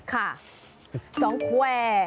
ค่ะสองแฟร์